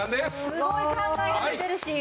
すごい考えられてるし。